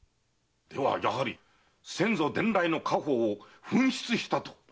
ではやはり先祖伝来の家宝を紛失したと？